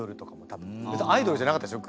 別にアイドルじゃなかったでしょ？